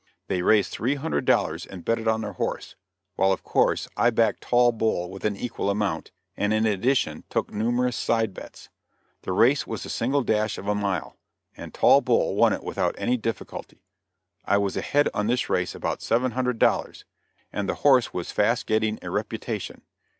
They raised three hundred dollars and bet it on their horse, while of course, I backed Tall Bull with an equal amount, and in addition took numerous side bets. The race was a single dash of a mile, and Tall Bull won it without any difficulty. I was ahead on this race about seven hundred dollars, and the horse was fast getting a reputation.